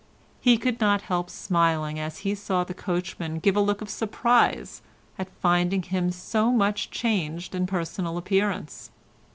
He could not help smiling as he saw the coachman give a look of surprise at finding him so much changed in personal appearance.